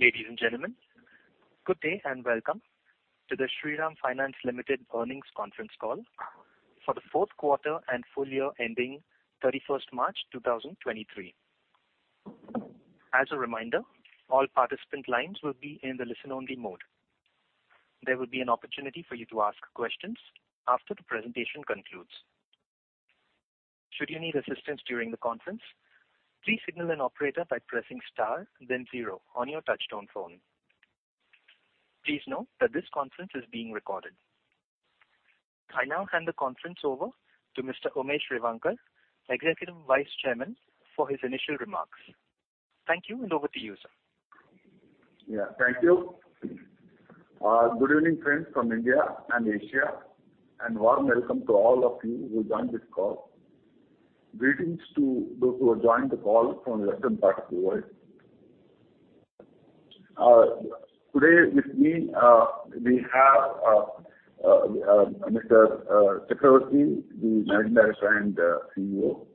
Ladies and gentlemen, good day, welcome to the Shriram Finance Limited Earnings Conference Call for the Q4 and Full Year Ending 31st March 2023. As a reminder, all participant lines will be in the listen-only mode. There will be an opportunity for you to ask questions after the presentation concludes. Should you need assistance during the conference, please signal an operator by pressing star then zero on your touchtone phone. Please note that this conference is being recorded. I now hand the conference over to Mr. Umesh Revankar, Executive Vice Chairman, for his initial remarks. Thank you, over to you, sir. Yeah. Thank you. Good evening, friends from India and Asia, and warm welcome to all of you who joined this call. Greetings to those who have joined the call from western part of the world. Today with me, we have Mr. Chakravarti, the Managing Director and CEO.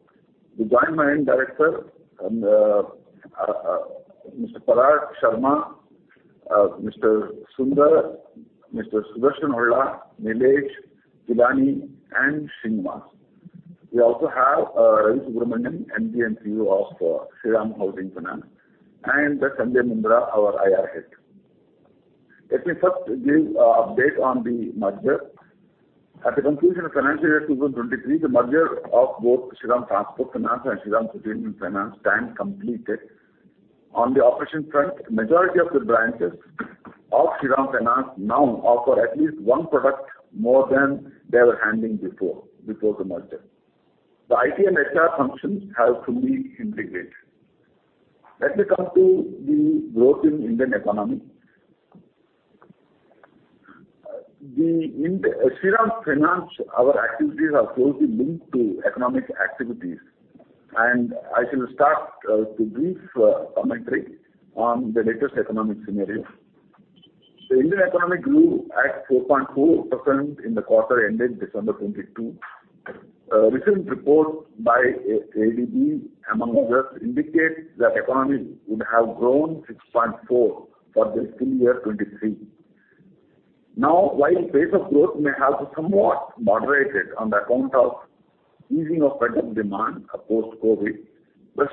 We join my own director and Mr. Parag Sharma, Mr. Sunder, Mr. Sudarshan Holla, Nilesh Odedra, and Singh Maan. We also have Ravi Subramanian, MD & CEO of Shriram Housing Finance, and Sanjay Mundra, our IR Head. Let me first give a update on the merger. At the conclusion of financial year 2023, the merger of both Shriram Transport Finance and Shriram City Union Finance stand completed. On the operation front, majority of the branches of Shriram Finance now offer at least one product more than they were handling before the merger. The IT and HR functions have fully integrated. Let me come to the growth in Indian economy. The Shriram Finance, our activities are closely linked to economic activities. I shall start to give a metric on the latest economic scenario. The Indian economy grew at 4.4% in the quarter ending December 2022. Recent report by ADB, among others, indicates that economy would have grown 6.4 for the full year 2023. While pace of growth may have somewhat moderated on the account of easing of pent-up demand of post-COVID,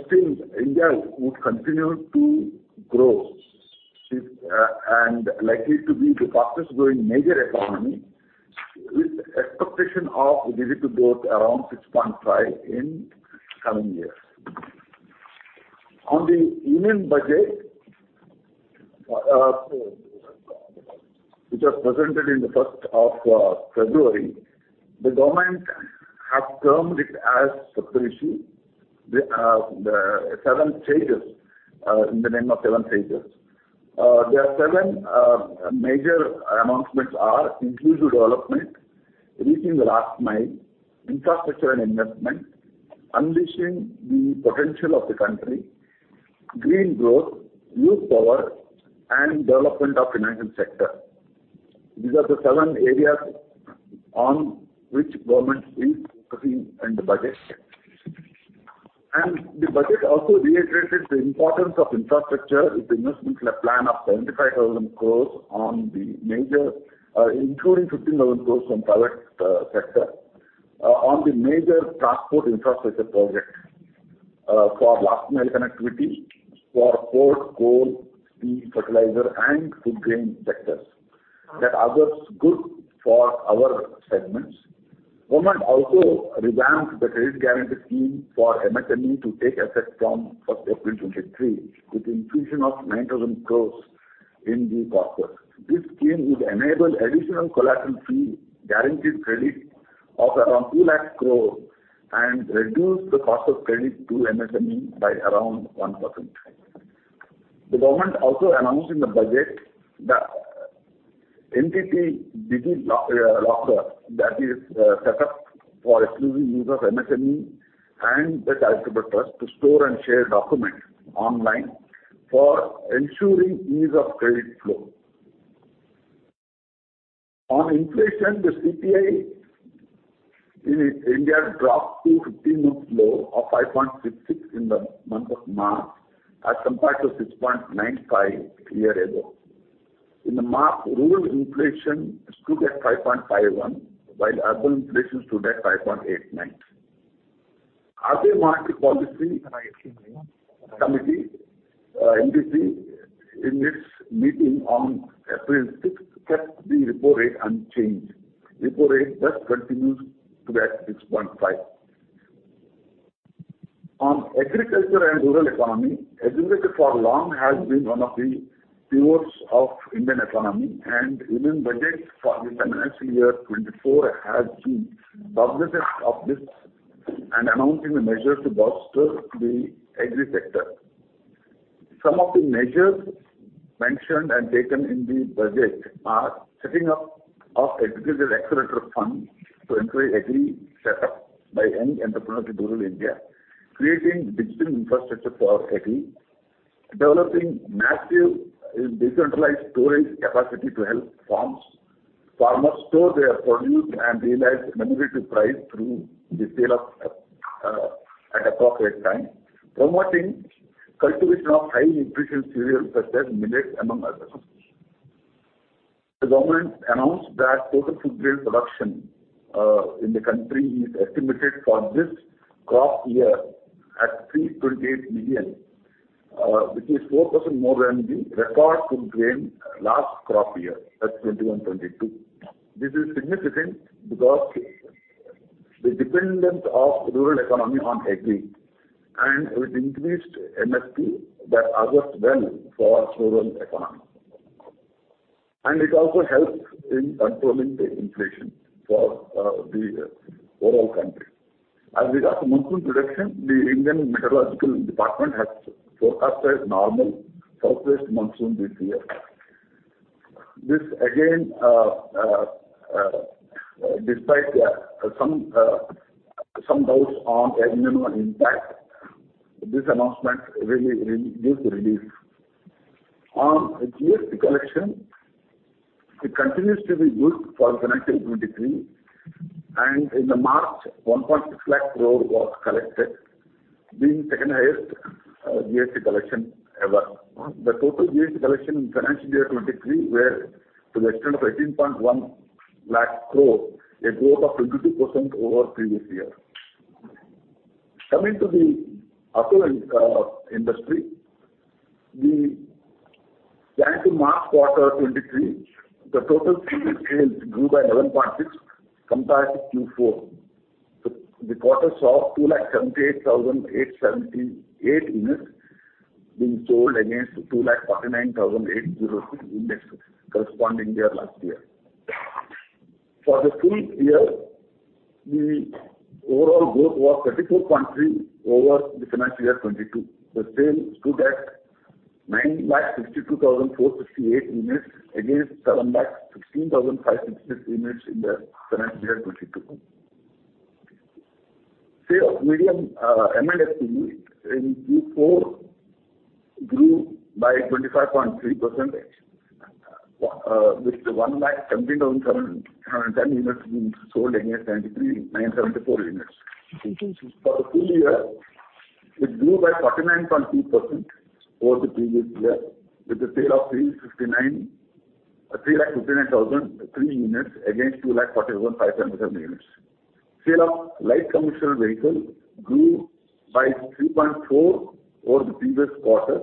still India would continue to grow and likely to be the fastest growing major economy with expectation of visible growth around 6.5% in coming years. On the Union Budget, which was presented in the 1st of February, the government have termed it as Saptarishi. The seven stages in the name of seven stages. Their seven major announcements are inclusive development, reaching the last mile, infrastructure and investment, unleashing the potential of the country, green growth, youth power, and development of financial sector. These are the seven areas on which government is focusing in the budget. The budget also reiterated the importance of infrastructure with investment plan of 75,000 crore on the major, including 15,000 crore from private sector, on the major transport infrastructure projects for last mile connectivity for port, coal, steel, fertilizer, and food grain sectors that others good for our segments. Government also revamped the Credit Guarantee Scheme for MSME to take effect from April 1, 2023 with infusion of 9,000 crore in the corpus. This scheme will enable additional collateral-free guaranteed credit of around 2 lakh crore and reduce the cost of credit to MSME by around 1%. The government also announced in the budget the entity digital locker that is set up for exclusive use of MSME and the distributors to store and share documents online for ensuring ease of credit flow. On inflation, the CPI in India dropped to 15-month low of 5.66% in the month of March as compared to 6.95% a year ago. In the March, rural inflation stood at 5.51%, while urban inflation stood at 5.89%. Other market policy committee, MPC, in its meeting on April 6, kept the repo rate unchanged. Repo rate thus continues to be at 6.5%. On agriculture and rural economy, agriculture for long has been one of the pillars of Indian economy. Union Budget for the financial year 2024 has been cognizant of this and announcing the measures to bolster the agri sector. Some of the measures mentioned and taken in the budget are setting up of Agricultural Accelerator Fund to encourage agri set up by any entrepreneur to rural India, creating digital infrastructure for agri, developing massive decentralized storage capacity to help farms. Farmers store their produce and realize mandatory price through the sale of at appropriate time, promoting cultivation of high nutrition cereals such as millet among others. The government announced that total food grain production in the country is estimated for this crop year at 328 million, which is 4% more than the record food grain last crop year, that's 2021-2022. This is significant because the dependent of rural economy on agri and with increased MSP that augurs well for rural economy. It also helps in controlling the inflation for the overall country. As regards to monsoon production, the India Meteorological Department has forecasted normal southwest monsoon this year. This again, despite some doubts on El Niño impact, this announcement really gives relief. On GST collection, it continues to be good for financial 23. In the March 1.6 lakh crore was collected, being second highest GST collection ever. The total GST collection in financial year 23 were to the extent of 18.1 lakh crore, a growth of 22% over previous year. Coming to the auto industry. The January to March quarter 23, the total three-wheeler sales grew by 11.6% compared to Q4. The quarter saw 278,878 units being sold against 249,806 units corresponding year last year. For the full year, the overall growth was 34.3 over the financial year 2022. The sales stood at 962,458 units against 716,566 units in the financial year 2022. Sales medium M&HCV in Q4 grew by 25.3%, with 117,710 units being sold against 23,974 units. For the full year, it grew by 49.2% over the previous year, with the sale of 359,003 units against 247,507 units. Sale of light commercial vehicles grew by 3.4% over the previous quarter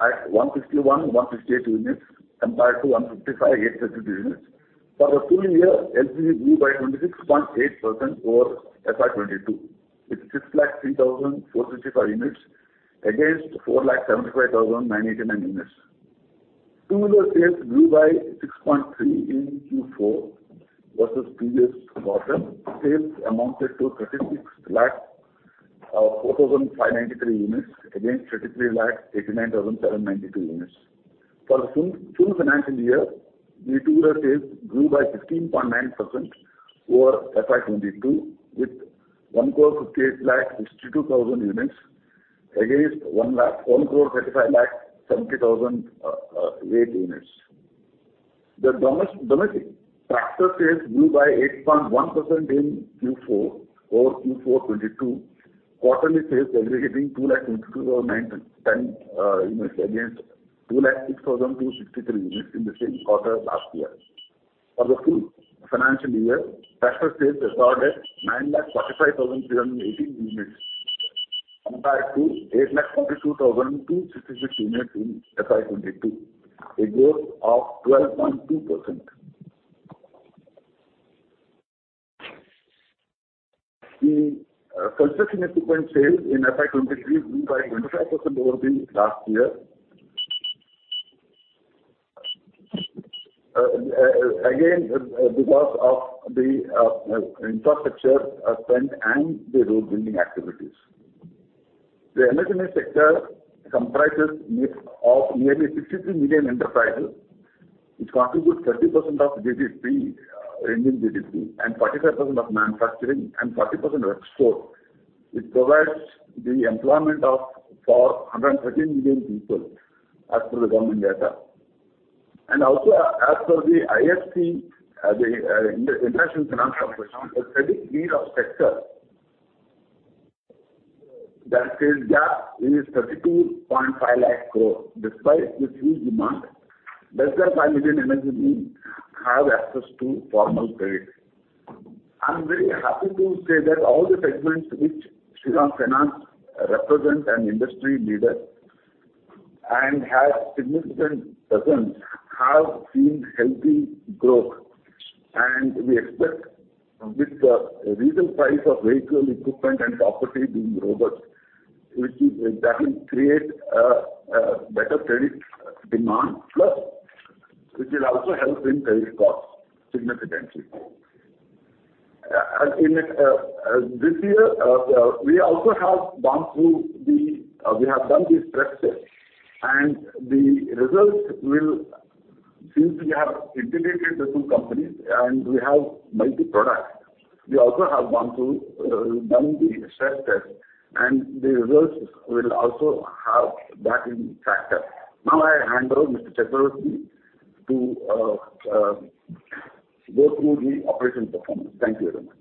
at 151,158 units compared to 155,832 units. For the full year, LCV grew by 26.8% over FY22, with 6,03,455 units against 4,75,989 units. Two-wheeler sales grew by 6.3% in Q4 versus previous quarter. Sales amounted to 36,04,593 units against 33,89,792 units. For the full financial year, the two-wheeler sales grew by 15.9% over FY22, with 1,58,62,000 units against 1,35,70,008 units. The domestic tractor sales grew by 8.1% in Q4 over Q4 2022. Quarterly sales aggregating 2,22,910 units against 2,06,263 units in the same quarter last year. For the full financial year, tractor sales recorded 945,318 units compared to 842,266 units in FY22, a growth of 12.2%. The construction equipment sales in FY23 grew by 25% over the last year. Again, because of the infrastructure spend and the road building activities. The MSME sector comprises of nearly 63 million enterprises, which contribute 30% of GDP, Indian GDP and 45% of manufacturing and 40% of exports, which provides the employment for 113 million people as per the government data. Also as per the IFC, the International Finance Corporation, the credit need of sector that says gap is 32.5 lakh crore. Despite this huge demand, less than five million MSMEs have access to formal credit. I'm very happy to say that all the segments which Shriram Finance represent an industry leader and have significant presence, have seen healthy growth. We expect with the recent price of vehicle equipment and property being robust, that will create better credit demand plus which will also help in credit costs significantly. In this year, we also have gone through the, we have done the structure since we have integrated the two companies and we have multi-productWe also have gone through, done the stress test, and the results will also have that in factor. Now I hand over Mr. Chakravarti to go through the operating performance. Thank you very much.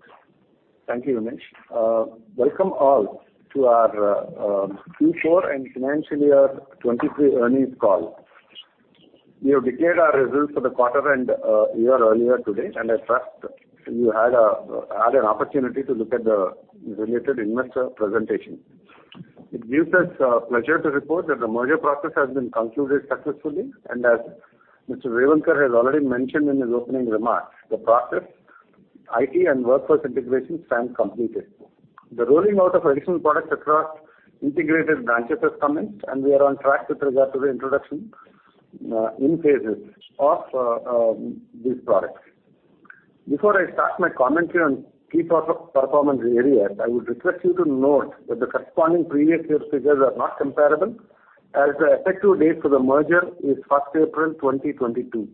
Thank you, Umesh. Welcome all to our Q4 and Financial Year 2023 Earnings Call. We have declared our results for the quarter and year earlier today. I trust you had an opportunity to look at the related investor presentation. It gives us pleasure to report that the merger process has been concluded successfully. As Mr. Revankar has already mentioned in his opening remarks, the process, IT and workforce integration stands completed. The rolling out of additional products across integrated branches has commenced. We are on track with regard to the introduction in phases of these products. Before I start my commentary on key performance areas, I would request you to note that the corresponding previous year's figures are not comparable as the effective date for the merger is April 1, 2022.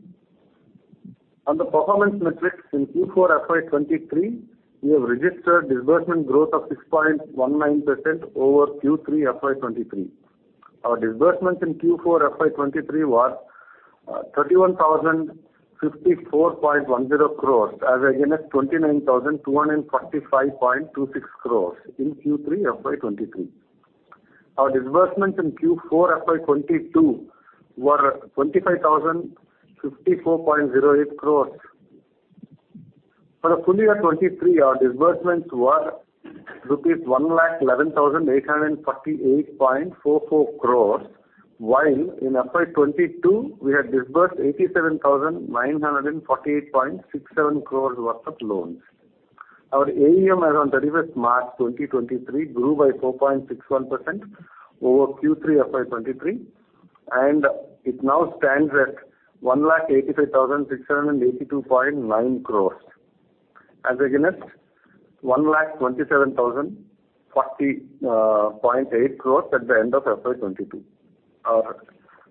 On the performance metrics in Q4 FY23, we have registered disbursement growth of 6.19% over Q3 FY23. Our disbursements in Q4 FY23 were 31,054.10 crores as against 29,245.26 crores in Q3 FY23. Our disbursements in Q4 FY22 were INR 25,054.08 crores. For the full year 2023, our disbursements were INR 1,11,848.44 crores, while in FY22, we had disbursed INR 87,948.67 crores worth of loans. Our AUM as on 31st March 2023 grew by 4.61% over Q3 FY23. It now stands at 1,85,682.9 crores as against 1,27,040.8 crores at the end of FY22. Our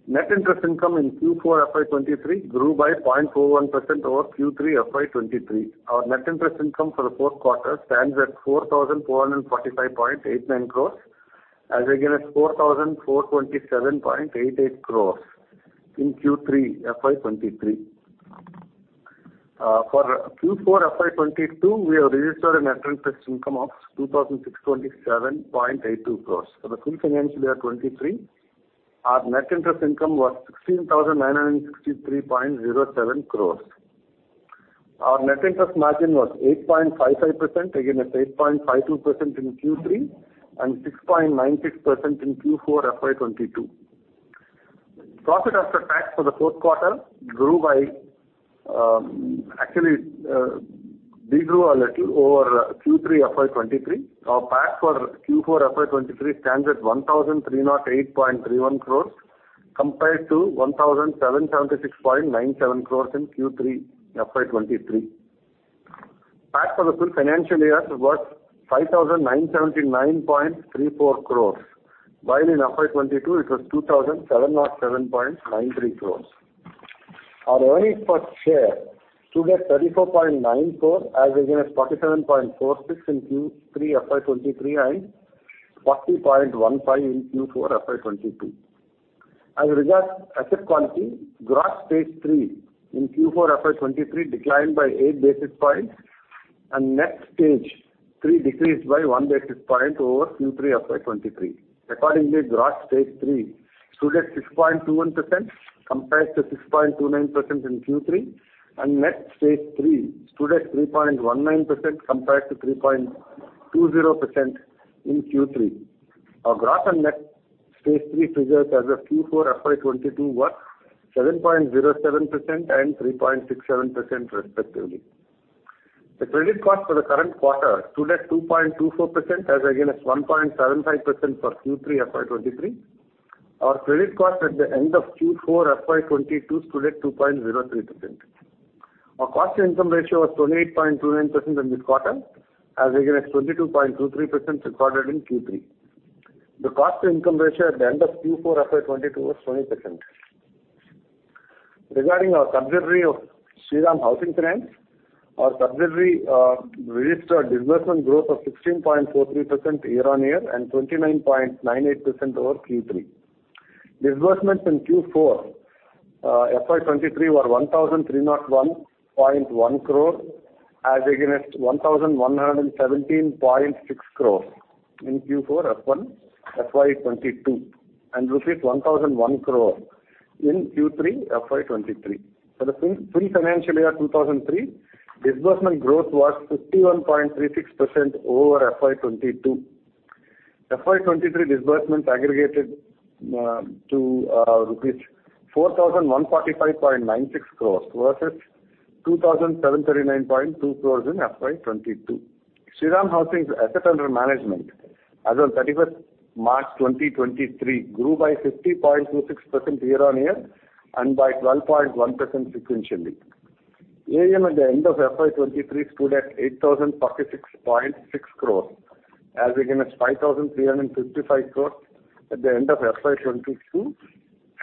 net interest income in Q4 FY23 grew by 0.41% over Q3 FY23. Our net interest income for the Q4 stands at 4,445.89 crores as against 4,427.88 crores in Q3 FY23. For Q4 FY22, we have registered a net interest income of 2,627.82 crores. For the full financial year 2023, our net interest income was 16,963.07 crores. Our net interest margin was 8.55% against 8.52% in Q3 and 6.96% in Q4 FY22. Profit after tax for the Q4 grew by actually de-grew a little over Q3 FY23. Our PAT for Q4 FY23 stands at 1,308.31 crores compared to 1,776.97 crores in Q3 FY23. PAT for the full financial year was 5,979.34 crores, while in FY22 it was 2,707.93 crores. Our earnings per share stood at 34.94 as against 47.46 in Q3 FY23 and 40.15 in Q4 FY22. As regards asset quality, gross Stage 3 in Q4 FY2023 declined by eight basis points, and net Stage 3 decreased by one basis point over Q3 FY2023. Accordingly, gross Stage 3 stood at 6.21% compared to 6.29% in Q3, and net Stage 3 stood at 3.19% compared to 3.20% in Q3. Our gross and net Stage 3 figures as of Q4 FY2022 were 7.07% and 3.67% respectively. The credit cost for the current quarter stood at 2.24% as against 1.75% for Q3 FY2023. Our credit cost at the end of Q4 FY2022 stood at 2.03%. Our cost-to-income ratio was 28.29% in this quarter as against 22.23% recorded in Q3. The cost-to-income ratio at the end of Q4 FY 2022 was 20%. Regarding our subsidiary of Shriram Housing Finance, our subsidiary registered disbursement growth of 16.43% year-on-year and 29.98% over Q3. Disbursement in Q4 FY 2023 were 1,301.1 crore as against 1,117.6 crore in Q4 FY 2022, and rupees 1,001 crore in Q3 FY 2023. For the full financial year 2023, disbursement growth was 51.36% over FY 2022. FY 2023 disbursement aggregated to rupees 4,145.96 crores versus 2,739.2 crores in FY 2022. Shriram Housing's asset under management as on 31st March 2023 grew by 50.26% year-on-year and by 12.1% sequentially. AUM at the end of FY 2023 stood at 8,046.6 crores. As against 5,355 crores at the end of FY 2022,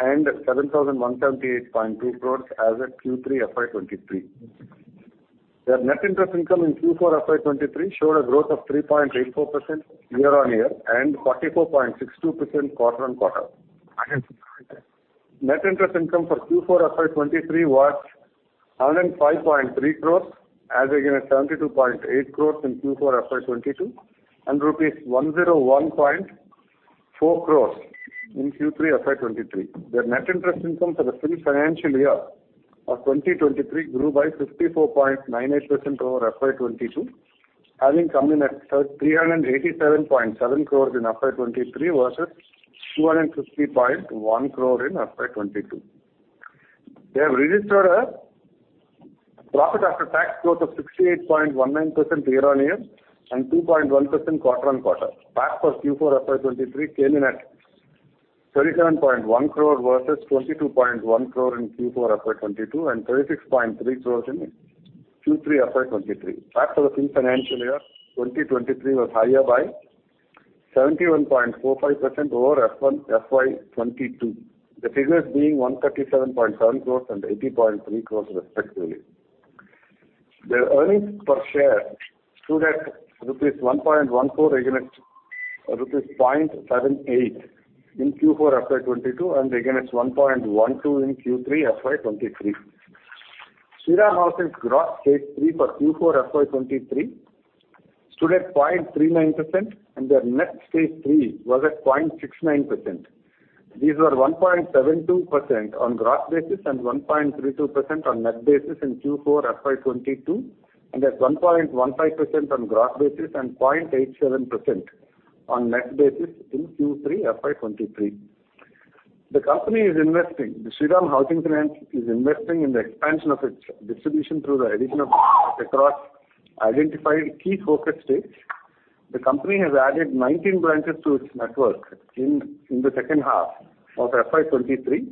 and 7,178.2 crores as at Q3 FY 2023. Their net interest income in Q4 FY 2023 showed a growth of 3.84% year-on-year, and 44.62% quarter-on-quarter. Net interest income for Q4 FY 2023 was 105.3 crores as against 72.8 crores in Q4 FY 2022, and rupees 101.4 crores in Q3 FY 2023. Their net interest income for the full financial year of 2023 grew by 54.98% over FY 2022, having come in at 387.7 crores in FY 2023 versus 250.1 crore in FY 2022. They have registered a profit after tax growth of 68.19% year-on-year and 2.1% quarter-on-quarter. PAT for Q4 FY 2023 came in at 37.1 crore versus 22.1 crore in Q4 FY 2022 and 36.3 crores in Q3 FY 2023. PAT for the full financial year 2023 was higher by 71.45% over FY 2022. The figures being 137.7 crores and 80.3 crores respectively. Their earnings per share stood at INR 1.14 against 0.78 in Q4 FY 2022 and against 1.12 in Q3 FY 2023. Shriram Housing's gross stage three for Q4 FY 2023 stood at 0.39%, and their net stage three was at 0.69%. These were 1.72% on gross basis and 1.32% on net basis in Q4 FY 2022, and at 1.15% on gross basis and 0.87% on net basis in Q3 FY 2023. The company is investing. The Shriram Housing Finance is investing in the expansion of its distribution through the addition of across identified key focus states. The company has added 19 branches to its network in the H2 of FY23,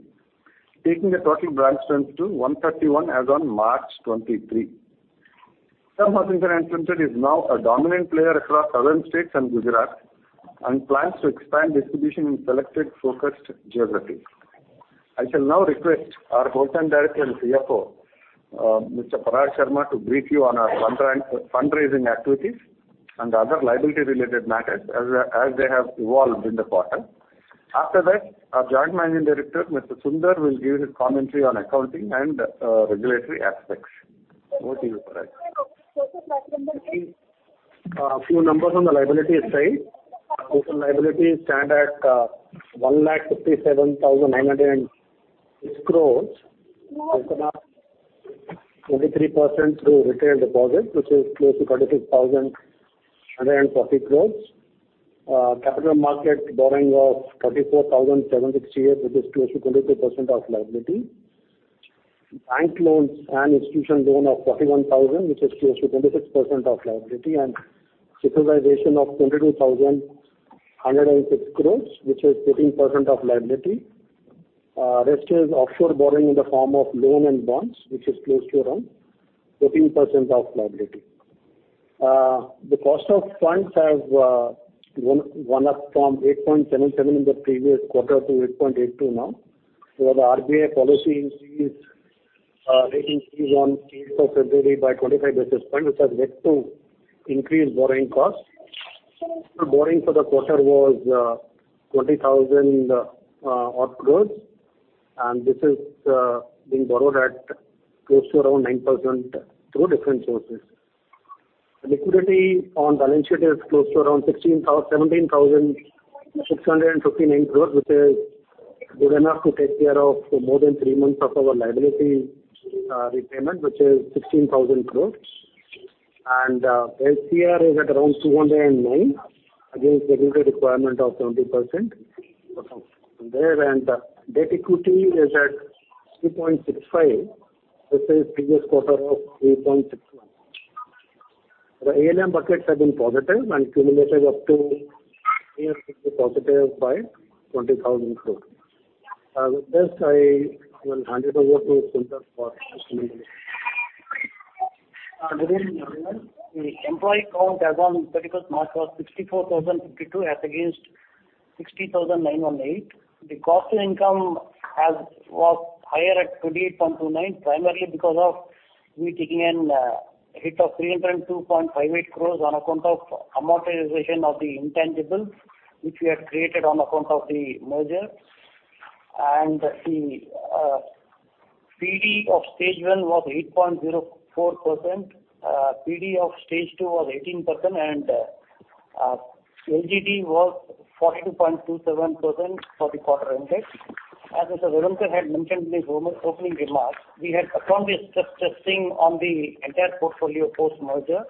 taking the total branch strength to 131 as on March 23. Shriram Housing Finance Limited is now a dominant player across southern states and Gujarat and plans to expand distribution in selected focused geographies. I shall now request our Whole Time Director and CFO, Mr. Parag Sharma, to brief you on our fundraising activities and other liability related matters as they have evolved in the quarter. After that, our Joint Managing Director, Mr. Sunder, will give his commentary on accounting and regulatory aspects. Over to you, Parag. A few numbers on the liability side. Total liabilities stand at 1,57,906 crores. 23% through retail deposits, which is close to 46,140 crores. Capital market borrowing of 44,768, which is close to 22% of liability. Bank loans and institution loan of 41,000, which is close to 26% of liability and securitization of 22,106 crores, which is 13% of liability. Rest is offshore borrowing in the form of loan and bonds, which is close to around 13% of liability. The cost of funds have gone up from 8.77 in the previous quarter to 8.82 now. The RBI policy increase, rate increase on 8th of February by 25 basis point, which has led to increased borrowing costs. Borrowing for the quarter was 20,000 odd crores, and this is being borrowed at close to around 9% through different sources. Liquidity on balance sheet is close to around 17,659 crores, which is good enough to take care of more than three months of our liability repayment, which is 16,000 crores. LCR is at around 209 against regulatory requirement of 70% there. Debt equity is at 2.65 versus previous quarter of 3.61. The ALM buckets have been positive and cumulative up to positive by 20,000 crores. With this, I will hand it over to Sunder for his opening remarks. Good evening, everyone. The employee count as on 31st March was 64,052 as against 60,918. The cost to income has, was higher at 28.29%, primarily because of we taking a hit of 302.58 crores on account of amortization of the intangibles, which we had created on account of the merger. The PD of stage one was 8.04%. PD of stage two was 18%, and LGD was 42.27% for the quarter ended. As Mr. Revankar had mentioned in his opening remarks, we had performed a stress testing on the entire portfolio post-merger.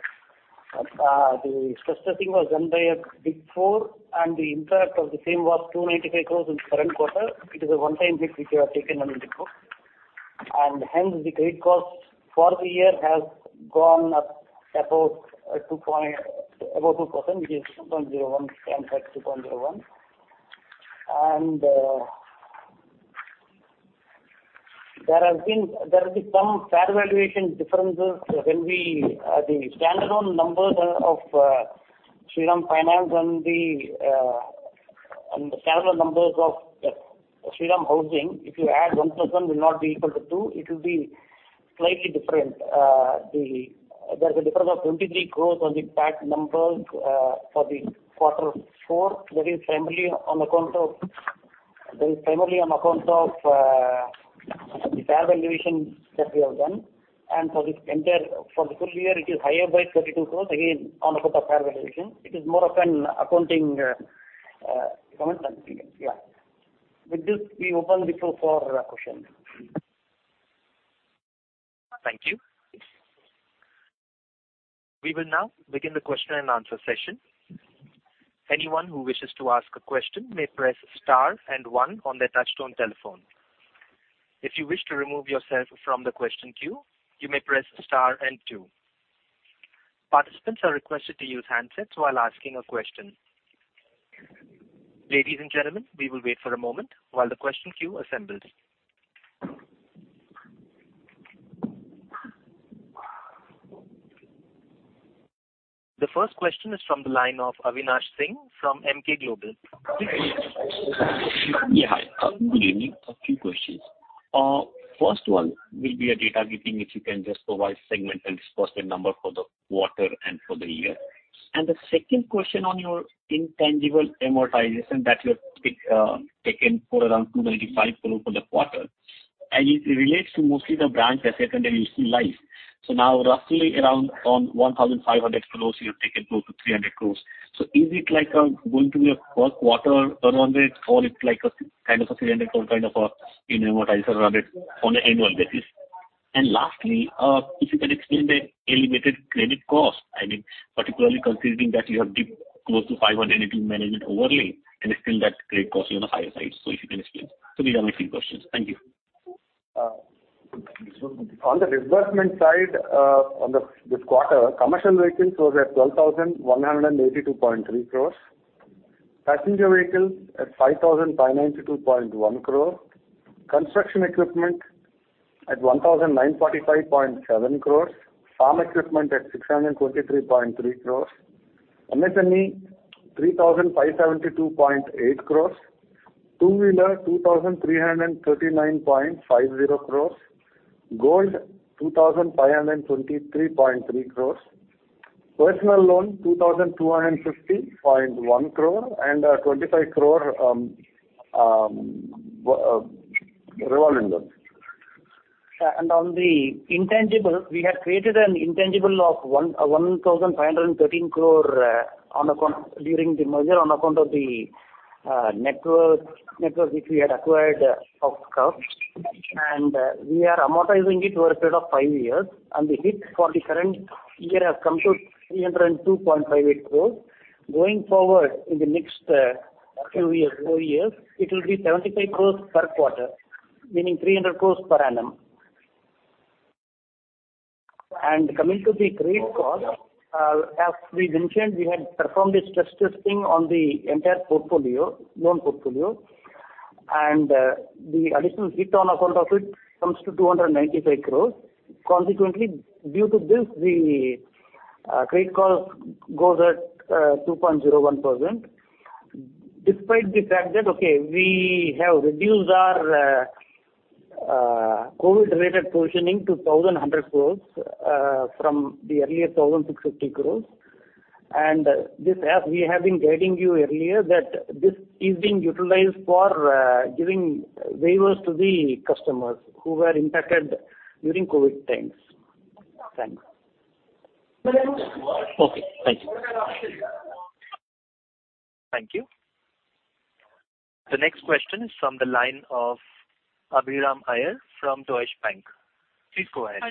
The stress testing was done by a Big Four, and the impact of the same was 295 crores in current quarter. It is a one-time hit which we have taken on the report. Hence, the credit costs for the year has gone up above 2%, which is 2.01% against 2.01%. There will be some fair valuation differences when we, the standalone numbers of Shriram Finance and the standalone numbers of Shriram Housing, if you add 1 plus 1 will not be equal to 2, it will be slightly different. There's a difference of 23 crore on the PAT numbers for the quarter four. That is primarily on account of the fair valuation that we have done. For the full year, it is higher by 32 crore, again, on account of fair valuation. It is more of an accounting comment than, yeah. With this, we open the floor for questions. Thank you. We will now begin the question and answer session. Anyone who wishes to ask a question may press star and one on their touch-tone telephone. If you wish to remove yourself from the question queue, you may press star and two. Participants are requested to use handsets while asking a question. Ladies and gentlemen, we will wait for a moment while the question queue assembles. The first question is from the line of Avinash Singh from Emkay Global. Please go ahead. Yeah, hi. Good evening. A few questions. First one will be a data keeping, if you can just provide segment and disbursement number for the quarter and for the year. The second question on your intangible amortization that you have taken for around 295 crore for the quarter, and it relates to mostly the branch asset and you see life. Now roughly around on 1,500 crores, you have taken close to 300 crores. Is it like, going to be a first quarter one-time or it's like a kind of a 300 crore kind of a, you know, amortizer run it on an annual basis? Lastly, if you can explain the elevated credit cost, I mean, particularly considering that you have dipped close to 580 million overly and still that credit cost is on the higher side. If you can explain. These are my three questions. Thank you. On the disbursement side, on the, this quarter, commercial vehicles was at 12,182.3 crores, passenger vehicles at 5,592.1 crore, construction equipment at 1,945.7 crores, farm equipment at 623.3 crores, MSME, 3,572.8 crores, two-wheeler, 2,339.50 crores, gold, 2,523.3 crores, personal loan, 2,250.1 crore, and 25 crore revolving loans. On the intangible, we had created an intangible of 1,513 crore on account during the merger on account of the network which we had acquired of SCUF. We are amortizing it to a period of five years, and the hit for the current year has come to 302.58 crore. Going forward, in the next few years, four years, it will be 75 crore per quarter, meaning 300 crore per annum. Coming to the credit cost, as we mentioned, we had performed a stress testing on the entire portfolio, loan portfolio. The additional hit on account of it comes to 295 crore. Consequently, due to this the credit cost goes at 2.01%. Despite the fact that, okay, we have reduced our COVID-related positioning to 1,100 crores from the earlier 1,650 crores. This, as we have been guiding you earlier, that this is being utilized for giving waivers to the customers who were impacted during COVID times. Thanks. Okay, thank you. Thank you. The next question is from the line of Abhiram Iyer from Deutsche Bank. Please go ahead.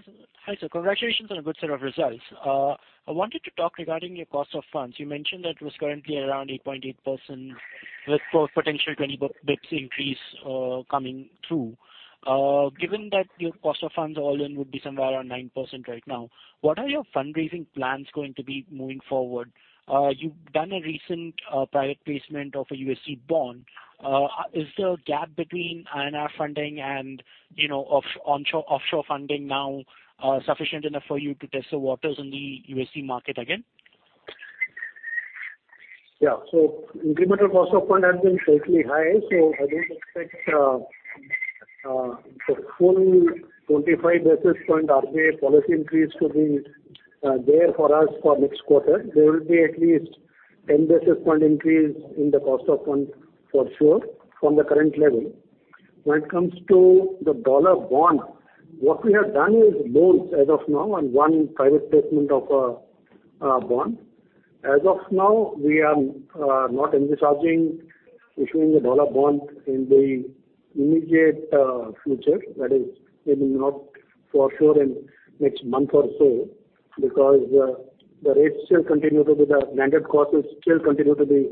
Hi, sir. Congratulations on a good set of results. I wanted to talk regarding your cost of funds. You mentioned that it was currently around 8.8% with potential 20 basis points increase coming through. Given that your cost of funds all in would be somewhere around 9% right now, what are your fundraising plans going to be moving forward? You've done a recent private placement of a USD bond. Is the gap between INR funding and, you know, onshore, offshore funding now sufficient enough for you to test the waters in the USD market again? Incremental cost of fund has been slightly high, I don't expect the full 25 basis point RBI policy increase to be there for us for next quarter. There will be at least 10 basis point increase in the cost of funds for sure from the current level. When it comes to the dollar bond, what we have done is loans as of now and one private placement of a bond. As of now, we are not envisaging issuing a dollar bond in the immediate future. That is maybe not for sure in next month or so because lended cost is still continue to be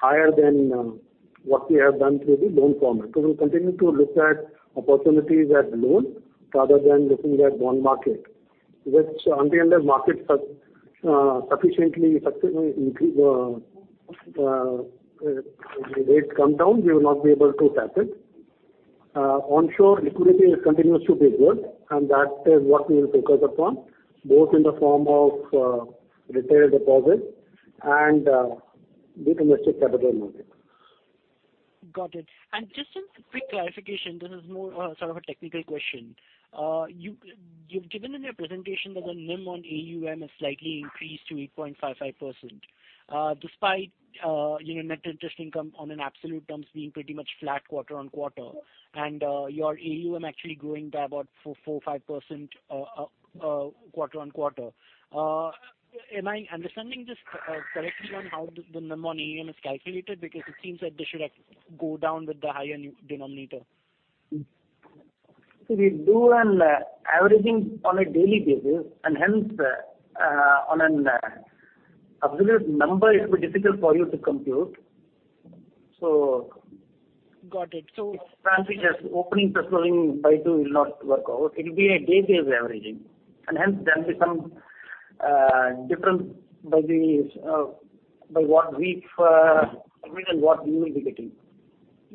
higher than what we have done through the loan format. We'll continue to look at opportunities at loan rather than looking at bond market. Which until and unless markets are sufficiently successful, increase, rates come down, we will not be able to tap it. Onshore liquidity continues to be good, that is what we will focus upon, both in the form of retail deposits and the domestic capital market. Got it. Just some quick clarification. This is more of a sort of a technical question. you've given in your presentation that the NIM on AUM has slightly increased to 8.55%, despite, you know, net interest income on an absolute terms being pretty much flat quarter-on-quarter. Your AUM actually growing by about 4.5% quarter-on-quarter. Am I understanding this correctly on how the NIM on AUM is calculated? Because it seems that this should, like, go down with the higher denominator. We do an averaging on a daily basis and hence, on an absolute number it's very difficult for you to compute. Got it. Opening plus closing by two will not work out. It will be a day-based averaging and hence there will be some difference by what we've committed, what we will be getting.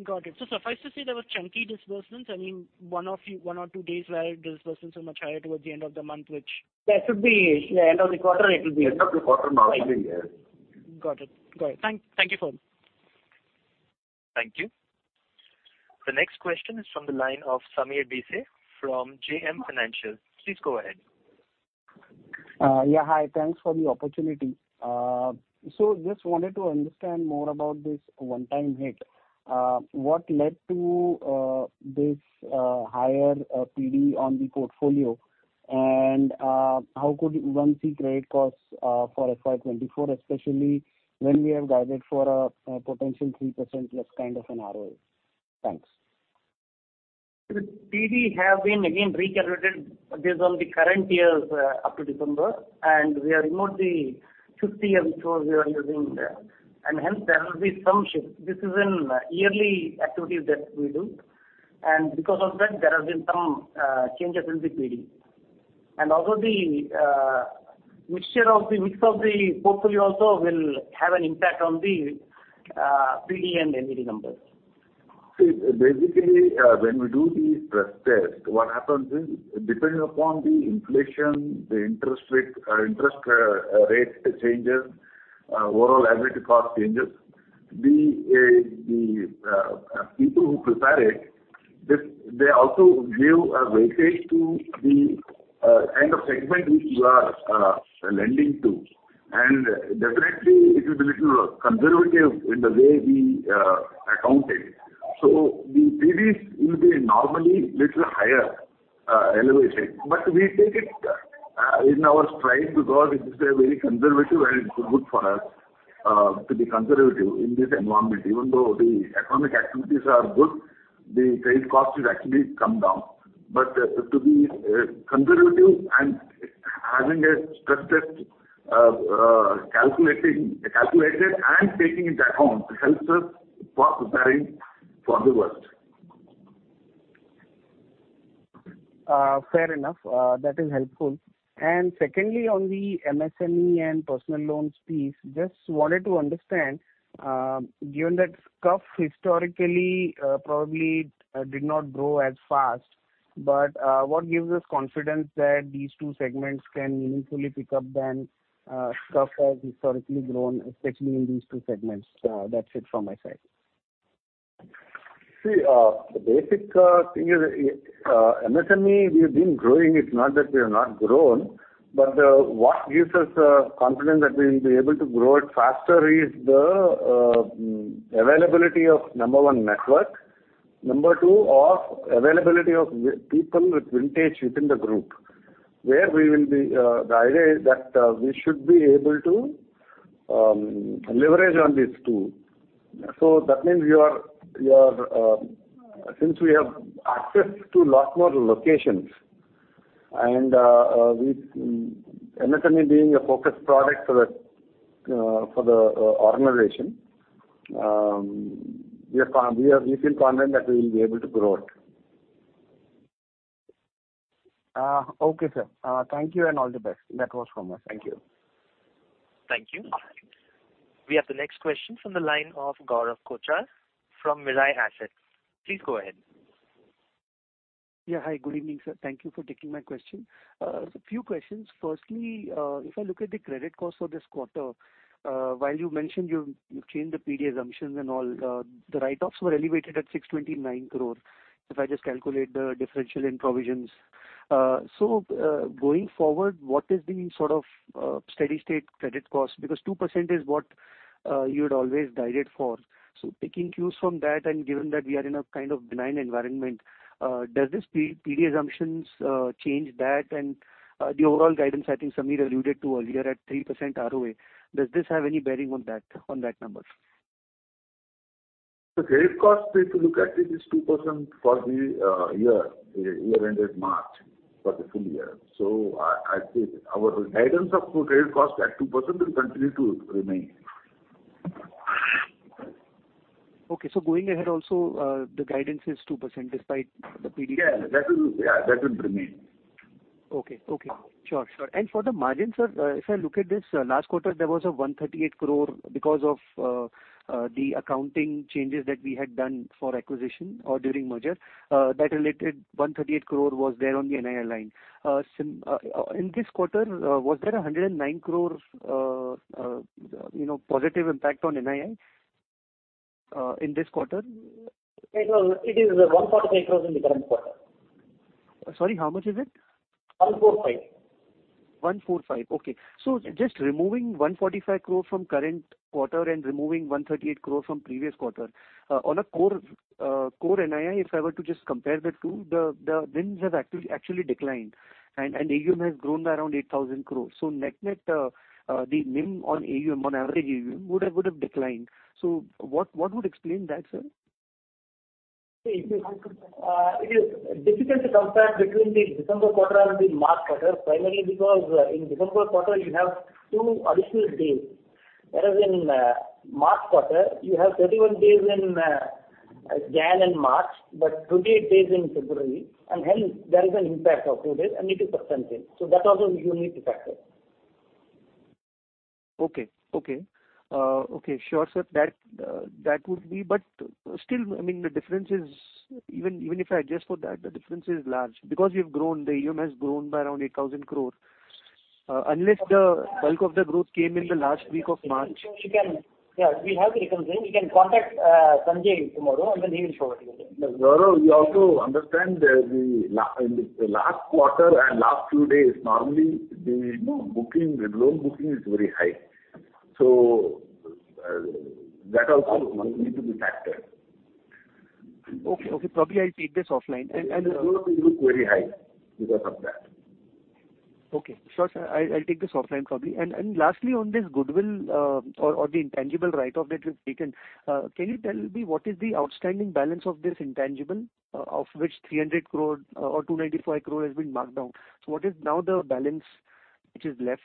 Got it. Suffice to say there were chunky disbursements, I mean, one or two days where disbursements were much higher towards the end of the month, which-. That should be end of the quarter it will be. End of the quarter normally, yes. Got it. Got it. Thank you for it. Thank you. The next question is from the line of Samir Desai from JM Financial. Please go ahead. Yeah. Hi. Thanks for the opportunity. Just wanted to understand more about this one time hit. What led to this higher PD on the portfolio? How could one see credit costs for FY24, especially when we have guided for a potential 3% less kind of an ROA? Thanks. The PD have been again recalculated based on the current year's, up to December, and we have removed the 50-year which was we are using there. Hence, there will be some shift. This is an yearly activity that we do. Because of that, there has been some changes in the PD. Also the mix of the portfolio also will have an impact on the PD and NVD numbers. See, basically, when we do the stress test, what happens is depending upon the inflation, the interest rate, interest rate changes, overall liability cost changes. The people who prepare it, this, they also give a weightage to the kind of segment which you are lending to. Definitely it will be little conservative in the way we account it. The PDs will be normally little higher, elevated. We take it in our stride because it is a very conservative and it's good for us to be conservative in this environment. Even though the economic activities are good, the trade cost will actually come down. To be conservative and having a stress test, calculated and taking it account helps us for preparing for the worst. Fair enough. That is helpful. Secondly, on the MSME and personal loans piece, just wanted to understand, given that SCUF historically, probably did not grow as fast, what gives us confidence that these two segments can meaningfully pick up then, SCUF has historically grown, especially in these two segments? That's it from my side. See, the basic thing is, MSME we have been growing. It's not that we have not grown, but what gives us confidence that we will be able to grow it faster is the availability of, number one, network. Number two, of availability of people with vintage within the group, where we will be, the idea is that, we should be able to leverage on these two. So that means your, since we have access to lot more locations and with MSME being a focused product for the for the organization, we are, we feel confident that we will be able to grow it. Okay, sir. Thank you and all the best. That was from us. Thank you. Thank you. We have the next question from the line of Gaurav Kochar from Mirae Asset. Please go ahead. Yeah. Hi. Good evening, sir. Thank you for taking my question. Few questions. Firstly, if I look at the credit costs for this quarter, while you mentioned you've changed the PD assumptions and all, the write-offs were elevated at 629 crore, if I just calculate the differential in provisions. Going forward, what is the sort of steady state credit cost? Because 2% is what you had always guided for. Taking cues from that and given that we are in a kind of benign environment, does this PD assumptions change that? The overall guidance, I think Samir alluded to earlier at 3% ROA, does this have any bearing on that number? The credit cost, if you look at it, is 2% for the year ended March, for the full year. I think our guidance of credit cost at 2% will continue to remain. Okay. going ahead also, the guidance is 2% despite the PD-. Yeah. That will, yeah, that will remain. Okay. Okay. Sure. Sure. For the margin, sir, if I look at this, last quarter there was a 138 crore because of the accounting changes that we had done for acquisition or during merger, that related 138 crore was there on the NII line. In this quarter, was there 109 crore, you know, positive impact on NII in this quarter? It is 145 crores in the current quarter. Sorry, how much is it? 1 4 5. 145. Okay. Just removing 145 crore from current quarter and removing 138 crore from previous quarter, on a core NII if I were to just compare the two, the NIIs have actually declined and AUM has grown by around 8,000 crore. Net-net, the NIM on AUM, on average AUM, would have declined. What would explain that, sir? It is, it is difficult to compare between the December quarter and the March quarter, primarily because, in December quarter you have two additional days, whereas in, March quarter you have 31 days in, January and March, but 28 days in February, and hence there is an impact of two days and it is substantial. That also you need to factor. Okay. Okay. Okay. Sure, sir. That would be. Still, I mean, the difference is even if I adjust for that, the difference is large because you've grown, the AUM has grown by around 8,000 crores. Unless the bulk of the growth came in the last week of March. Yeah. We have the reconciliation. You can contact Sanjay tomorrow, and then he will show it to you. No. You also understand that in the last quarter and last few days, normally the, you know, booking, the loan booking is very high. That also need to be factored. Okay. Okay. Probably I'll take this offline. The loan will look very high because of that. Okay. Sure, sir. I'll take this offline probably. Lastly on this goodwill, or the intangible write-off that you've taken, can you tell me what is the outstanding balance of this intangible, of which 300 crore or 295 crore has been marked down? What is now the balance which is left?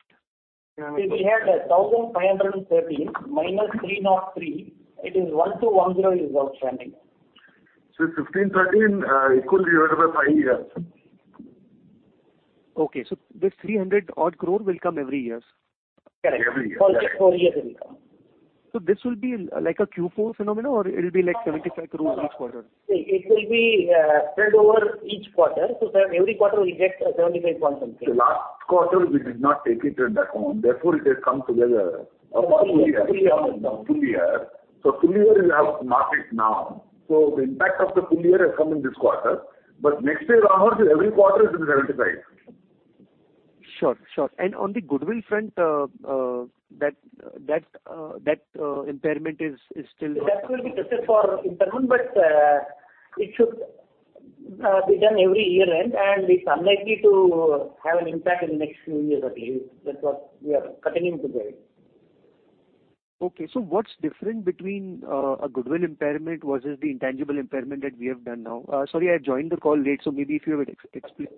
We had 1,513 minus 303. It is 1,210 is outstanding. 1,513, it could be over five years. Okay. This 300 odd crore will come every years? Correct. Every year. For four years it will come. This will be like a Q4 phenomenon or it'll be like 75 crore each quarter? It will be spread over each quarter. Every quarter we get 75 point something. The last quarter we did not take it at that time, therefore it has come together. Full year. Full year. Full year we have marked it now. The impact of the full year has come in this quarter. Next year onwards, every quarter it is 75. Sure. Sure. On the goodwill front, that impairment is still- That will be tested for impairment, but, it should be done every year-end and it's unlikely to have an impact in the next few years at least. That's what we are continuing to believe. Okay. What's different between, a goodwill impairment versus the intangible impairment that we have done now? Sorry, I joined the call late, maybe if you would explain.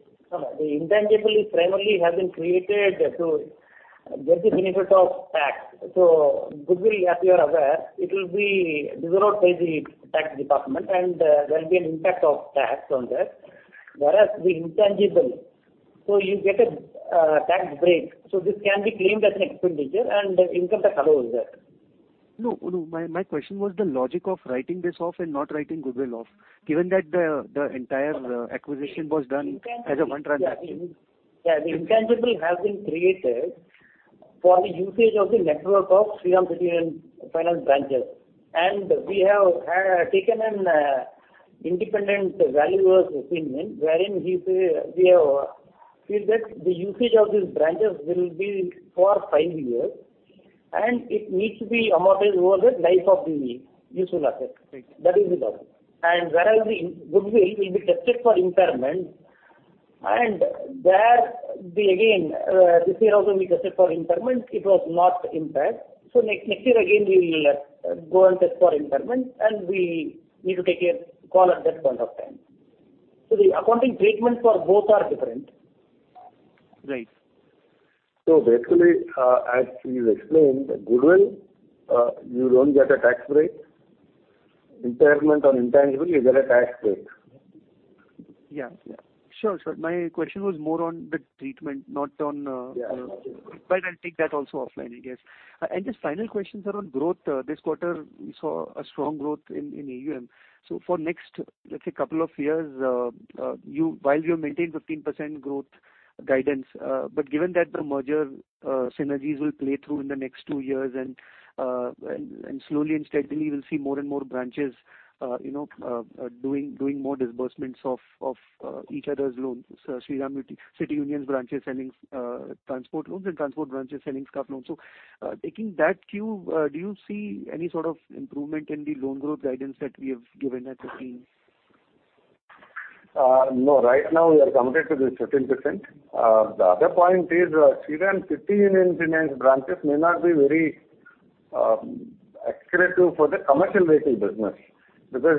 No. The intangible is primarily has been created to get the benefit of tax. Goodwill, as you are aware, it will be developed by the tax department and there will be an impact of tax on that. Whereas the intangible, so you get a tax break, so this can be claimed as an expenditure and income tax allowed there. No, no. My question was the logic of writing this off and not writing goodwill off, given that the entire acquisition was done as a one transaction. Yeah. The intangible has been created for the usage of the network of Shriram City Union Finance branches. We have taken an independent valuer's opinion, wherein he say we have feel that the usage of these branches will be for five years and it needs to be amortized over the life of the useful asset. That is the thought. Whereas the goodwill will be tested for impairment and there, we again, this year also we tested for impairment, it was not impaired. Next year again we will go and test for impairment, and we need to take a call at that point of time. The accounting treatments for both are different. Right. Basically, as we've explained, the goodwill, you don't get a tax break. Impairment on intangible, you get a tax break. Yeah. Yeah. Sure. Sure. My question was more on the treatment, not on. Yeah. I'll take that also offline, I guess. Just final question, sir, on growth. This quarter we saw a strong growth in AUM. For next, let's say, couple of years, while you maintain 15% growth guidance, but given that the merger synergies will play through in the next two years and slowly and steadily we'll see more and more branches, you know, doing more disbursements of each other's loans, Shriram City Union's branches selling transport loans and transport branches selling car loans. Taking that cue, do you see any sort of improvement in the loan growth guidance that we have given at 15? No. Right now we are committed to the 15%. The other point is, Shriram City Union Finance branches may not be very accurate to for the commercial vehicle business because,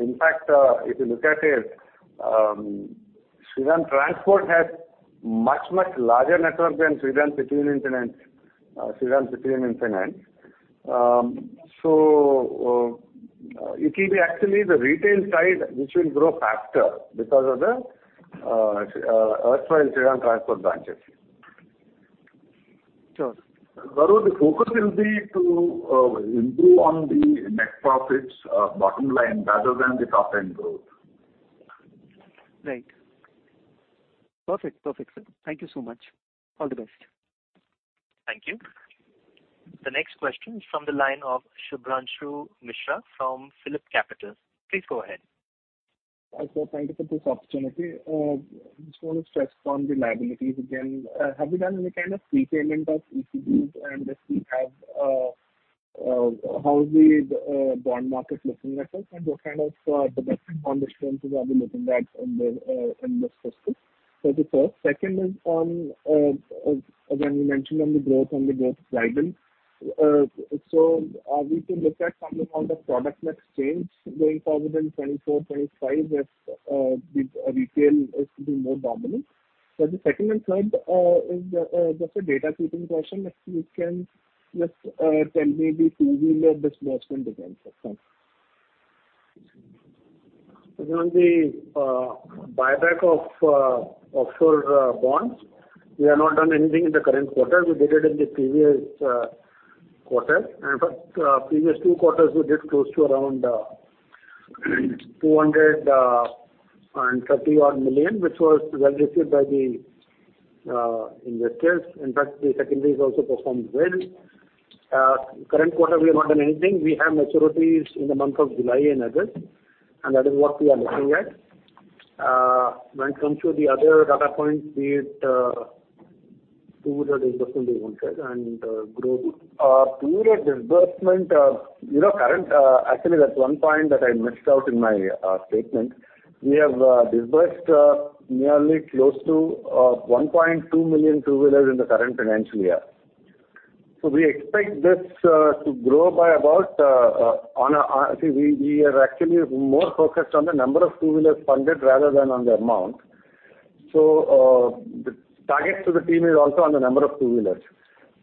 in fact, if you look at it. Shriram Transport has much larger network than Shriram City Union Finance, Shriram City Union Finance. It will be actually the retail side which will grow faster because of the erstwhile Shriram Transport branches. Sure. Barun, the focus will be to improve on the net profits, bottom line rather than the top-end growth. Right. Perfect. Perfect, sir. Thank you so much. All the best. Thank you. The next question is from the line of Shubhranshu Mishra from PhillipCapital. Please go ahead. Thank you for this opportunity. I just wanna stress on the liabilities again. Have you done any kind of prepayment of ECBs? If we have, how is the bond market looking at us? What kind of domestic bond issuances are we looking at in this fiscal? That's the first. Second is on, again, you mentioned on the growth driver. Are we to look at some amount of product mix change going forward in 2024, 2025 as the retail is being more dominant? The second and third is just a data keeping question. If you can just tell maybe two-wheeler disbursement again, sir. Thanks. On the buyback of offshore bonds, we have not done anything in the current quarter. We did it in the previous quarter. In fact, previous two quarters we did close to around $230-odd million, which was well received by the investors. In fact, the secondaries also performed well. Current quarter we have not done anything. We have maturities in the month of July and August, and that is what we are looking at. When it comes to the other data points, be it two-wheeler disbursement and growth. Two-wheeler disbursement, you know current. Actually that's one point that I missed out in my statement. We have disbursed nearly close to 1.2 million two-wheelers in the current financial year. We expect this to grow by about. See, we are actually more focused on the number of two-wheelers funded rather than on the amount. The target to the team is also on the number of two-wheelers.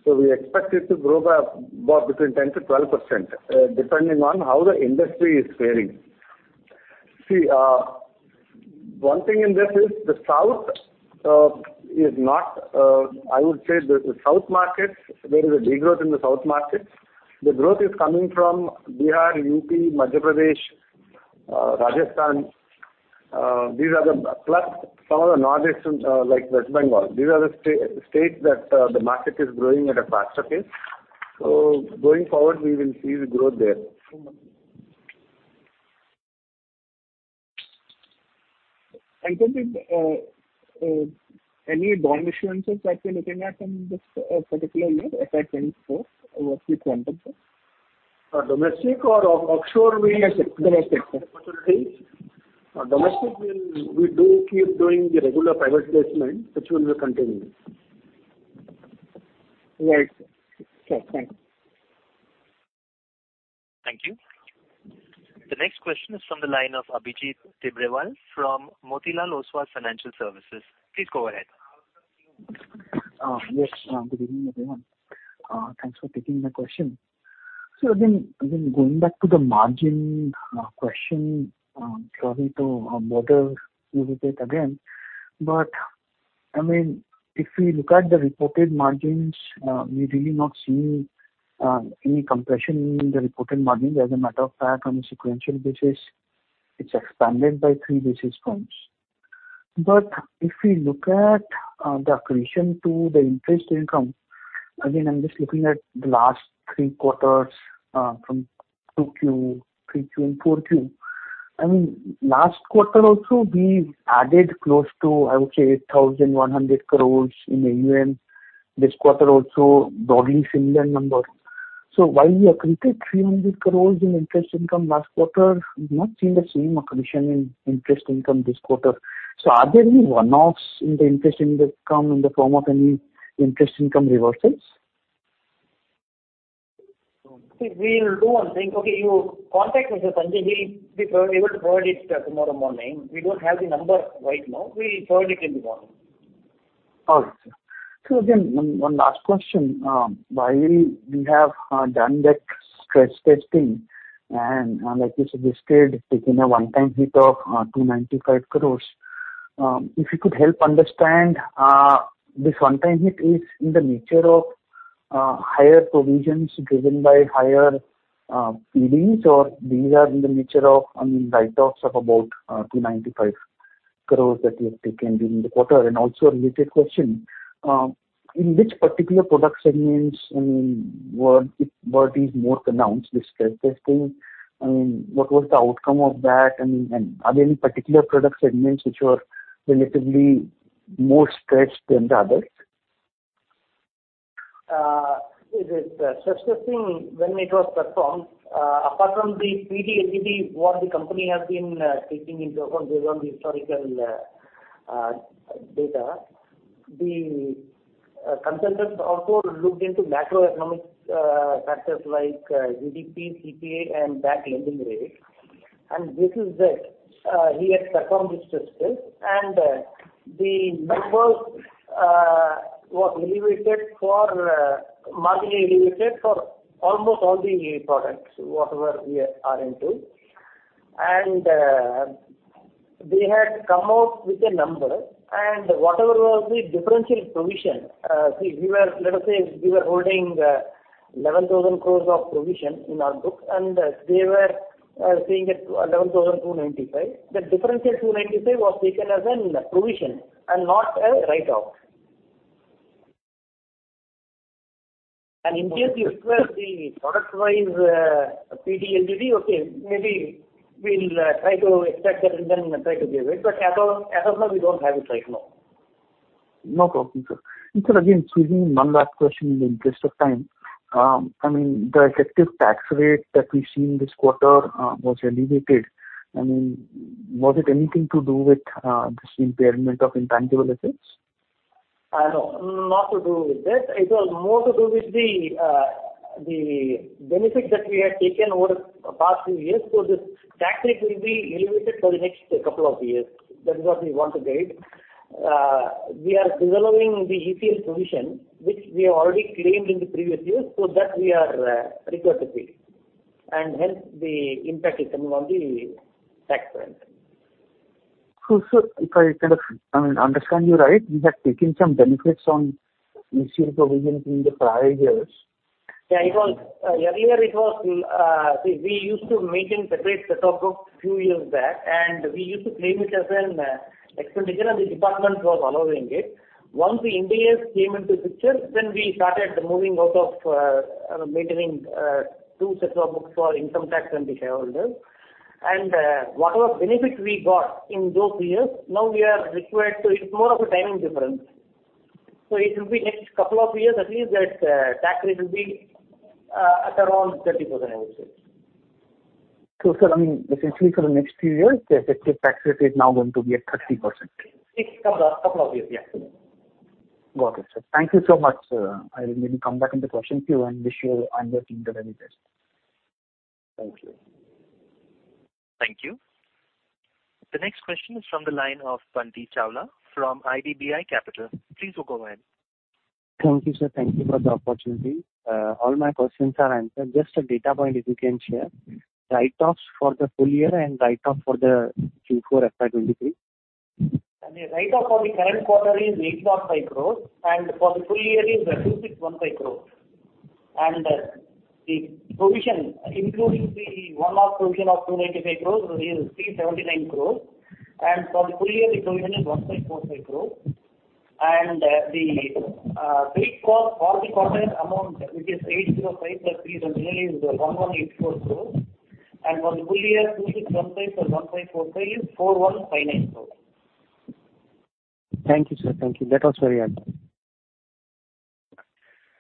We expect it to grow by about between 10%-12%, depending on how the industry is faring. See, one thing in this is the south is not. I would say the south markets, there is a degrowth in the south markets. The growth is coming from Bihar, UP, Madhya Pradesh, Rajasthan. These are the. Plus some of the northeast and like West Bengal. These are the states that the market is growing at a faster pace. Going forward, we will see the growth there. From the any bond issuances are we looking at in this particular year, FY 2024? What's the quantum, sir? Domestic or offshore Domestic. Domestic. Opportunities? domestic we do keep doing the regular private placement, which will be continuing. Right. Okay, thank you. Thank you. The next question is from the line of Abhijit Tibrewal from Motilal Oswal Financial Services. Please go ahead. Yes. Good evening, everyone. Thanks for taking my question. Again, going back to the margin question, sorry to bother you with it again. I mean, if we look at the reported margins, we're really not seeing any compression in the reported margin. As a matter of fact, on a sequential basis, it's expanded by three basis points. If we look at the accretion to the interest income, again, I'm just looking at the last three quarters, from Q2, Q3, and Q4. I mean, last quarter also we added close to, I would say, 8,100 crores in AUM. This quarter also broadly similar number. While we accreted 300 crores in interest income last quarter, we've not seen the same accretion in interest income this quarter. Are there any one-offs in the interest income in the form of any interest income reversals? See, we'll do one thing. Okay, you contact Mr. Sanjay. He'll be able to forward it tomorrow morning. We don't have the number right now. We'll forward it in the morning. All right, sir. Again, one last question. While we have done that stress testing, and like you suggested, taking a one-time hit of 295 crores, if you could help understand, this one time hit is in the nature of higher provisions driven by higher PDs or these are in the nature of, I mean, write-offs of about 295 crores that you have taken during the quarter? Also a related question. In which particular product segments, I mean, were these more pronounced, the stress testing? I mean, what was the outcome of that? Are there any particular product segments which were relatively more stretched than the others? The stress testing when it was performed, apart from the PD, AGD, what the company has been taking into account based on the historical data. The consultants also looked into macroeconomic factors like GDP, CPI and bank lending rates. This is that he had performed his test case and the numbers was elevated for marginally elevated for almost all the products, whatever we are into. They had come out with a number and whatever was the differential provision. See we were, let us say, we were holding 11,000 crore of provision in our books, and they were saying it 11,295. The differential 295 was taken as an provision and not a write-off. In case you ask us the product-wise GNPA, okay, maybe we'll try to extract that and then try to give it. As of now, we don't have it right now. No problem, sir. Sir, again, excuse me, one last question in the interest of time. I mean, the effective tax rate that we've seen this quarter, was elevated. I mean, was it anything to do with this impairment of intangible assets? No, not to do with this. It was more to do with the benefit that we had taken over past few years. This tax rate will be elevated for the next couple of years. That is what we want to guide. We are preserving the ECL provision, which we have already claimed in the previous years, so that we are, required to pay and hence the impact is coming on the tax front. Sir, if I kind of, I mean, understand you right, you have taken some benefits on ECL provisions in the prior years. Yeah, it was. Earlier it was, we used to maintain separate set of books few years back, and we used to claim it as an expenditure, and the department was allowing it. Once the India AS came into picture, we started moving out of maintaining two sets of books for income tax and the shareholders. Whatever benefits we got in those years, now we are required to. It's more of a timing difference. It will be next couple of years at least that tax rate will be at around 30%, I would say. Sir, I mean, essentially for the next few years, the effective tax rate is now going to be at 30%. It's couple of years, yeah. Got it, sir. Thank you so much, sir. I will maybe come back with the questions to you and wish you and your team the very best. Thank you. Thank you. The next question is from the line of Bunty Chawla from IDBI Capital. Please go ahead. Thank you, sir. Thank you for the opportunity. All my questions are answered. Just a data point, if you can share. Write-offs for the full year and write-off for the Q4 FY23. The write-off for the current quarter is INR 805 crores, and for the full year is 2,615 crores. The provision, including the one-off provision of 295 crores is 379 crores. For the full year, the provision is 1,545 crores. The pre-cost for the quarter is amount which is 805 plus 379 is 1,184 crores. For the full year, 2,615 plus 1,545 is INR 4,159 crores. Thank you, sir. Thank you. That was very helpful.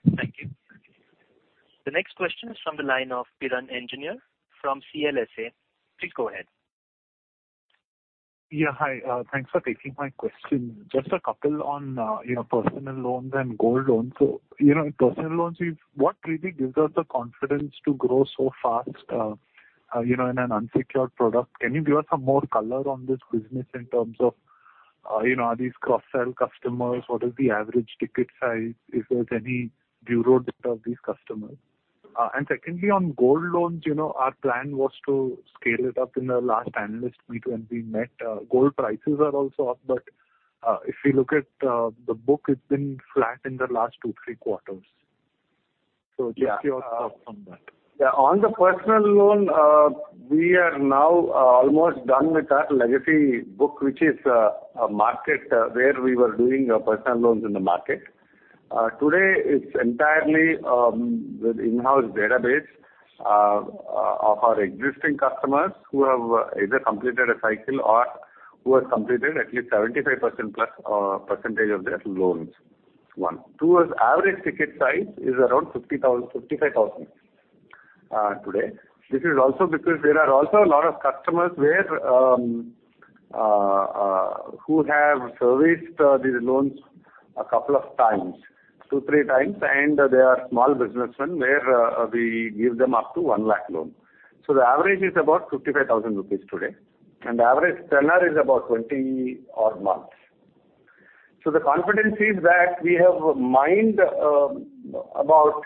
Thank you. The next question is from the line of Piran Engineer from CLSA. Please go ahead. Yeah, hi. Thanks for taking my question. Just a couple on, you know, personal loans and gold loans. You know, personal loans is what really gives us the confidence to grow so fast, you know, in an unsecured product. Can you give us some more color on this business in terms of, you know, are these cross-sell customers? What is the average ticket size? If there's any bureau data of these customers? Secondly, on gold loans, you know, our plan was to scale it up in the last analyst meet when we met. Gold prices are also up, but, if we look at, the book, it's been flat in the last two, three quarters. Just your thoughts on that. Yeah. Yeah. On the personal loan, we are now almost done with our legacy book, which is a market where we were doing personal loans in the market. Today, it's entirely the in-house database of our existing customers who have either completed a cycle or who have completed at least 75% plus percentage of their loans. One. Two is average ticket size is around 50,000-55,000 today. This is also because there are also a lot of customers where who have serviced these loans a couple of times, two, three times, and they are small businessmen where we give them up to 1 lakh loan. The average is about 55,000 rupees today, and the average tenure is about 20 odd months. The confidence is that we have mined about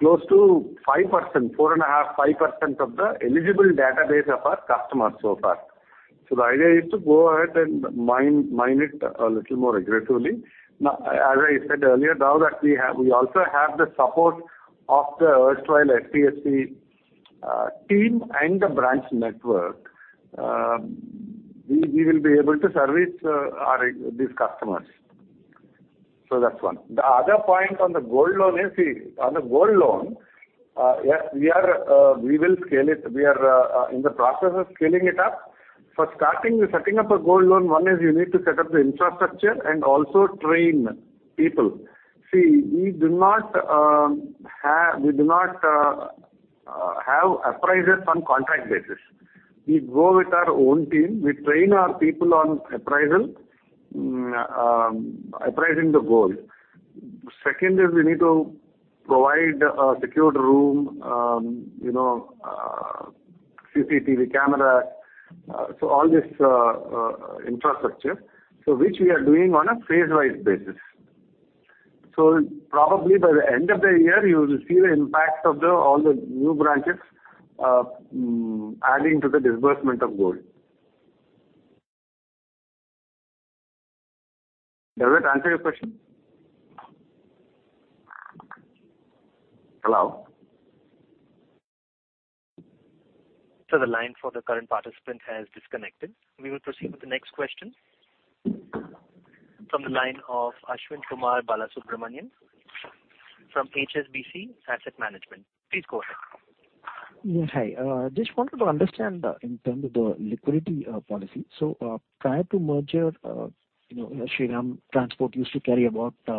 close to 5%, 4.5%, 5% of the eligible database of our customers so far. The idea is to go ahead and mine it a little more aggressively. As I said earlier, now that we also have the support of the erstwhile SCUF team and the branch network, we will be able to service our these customers. That's one. The other point on the gold loan is, on the gold loan, yes, we will scale it. We are in the process of scaling it up. For starting, setting up a gold loan, one is you need to set up the infrastructure and also train people. See, we do not, have, we do not, have appraisers on contract basis. We go with our own team. We train our people on appraisal, appraising the gold. Second is we need to provide a secured room, you know, CCTV camera. All this infrastructure, which we are doing on a phase-wide basis. Probably by the end of the year, you will see the impact of the all the new branches, adding to the disbursement of gold. Does that answer your question? Hello? The line for the current participant has disconnected. We will proceed with the next question from the line of Aswin Kumar Balasubramanian from HSBC Asset Management. Please go ahead. Hi. Just wanted to understand in terms of the liquidity policy. Prior to merger, you know, Shriram Transport used to carry about, you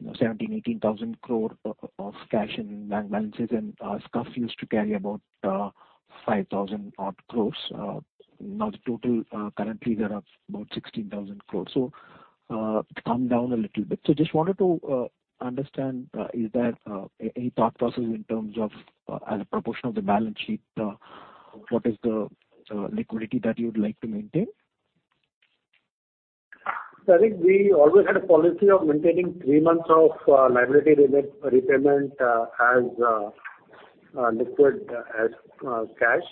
know, 17,000-18,000 crore of cash and bank balances, and SCUF used to carry about 5,000 odd crores. Now the total currently there are about 16,000 crores. It come down a little bit. Just wanted to understand, is there any thought process in terms of as a proportion of the balance sheet, what is the liquidity that you would like to maintain? I think we always had a policy of maintaining three months of liability repayment as liquid as cash.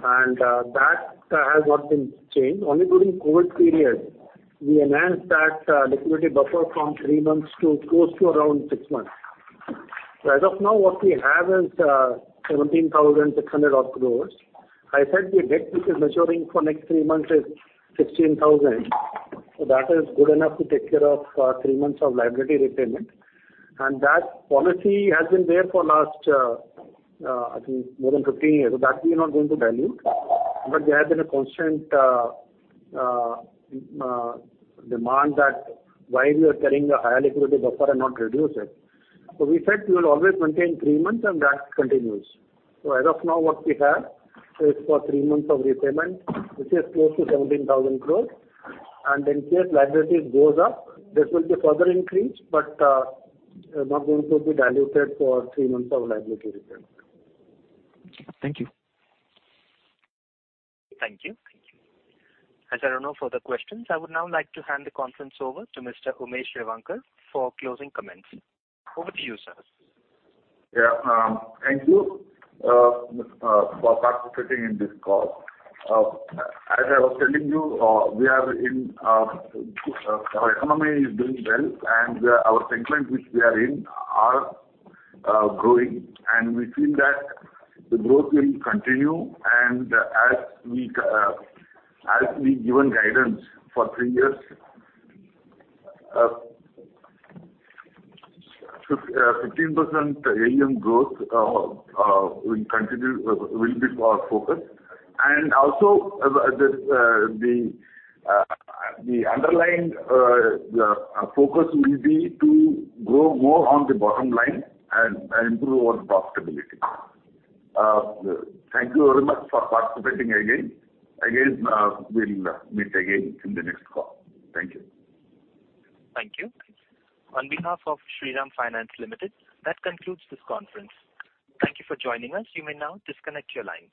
That has not been changed. Only during COVID period, we enhanced that liquidity buffer from three months to close to around six months. As of now, what we have is 17,600 odd crores. I said the debt which is maturing for next three months is 16,000. That is good enough to take care of three months of liability repayment. That policy has been there for last I think more than 15 years. That we are not going to dilute, but there has been a constant demand that why we are carrying a higher liquidity buffer and not reduce it. We said we will always maintain three months, and that continues. As of now, what we have is for three months of repayment, which is close to 17,000 crores. In case liabilities goes up, this will be further increased, but not going to be diluted for three months of liability repayment. Thank you. Thank you. As there are no further questions, I would now like to hand the conference over to Mr. Umesh Revankar for closing comments. Over to you, sir. Yeah. Thank you for participating in this call. As I was telling you, we are in, our economy is doing well, and our segment which we are in are growing. We feel that the growth will continue and as we've given guidance for three years, 15% AUM growth, will continue, will be our focus. Also as the underlying focus will be to grow more on the bottom line and improve our profitability. Thank you very much for participating again. Again, we'll meet again in the next call. Thank you. Thank you. On behalf of Shriram Finance Limited, that concludes this conference. Thank you for joining us. You may now disconnect your lines.